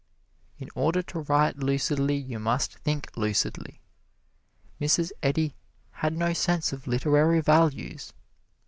In order to write lucidly you must think lucidly. Mrs. Eddy had no sense of literary values.